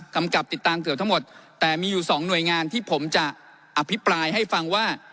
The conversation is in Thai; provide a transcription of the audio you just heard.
จะติดตามเตี่ยวทั้งหมดแต่มีอยู่๒หน่วยงานที่ผมจะอภิปรายให้ฟังว่า